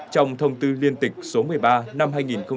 trong thông tư liên tịch số một mươi ba năm hai nghìn một mươi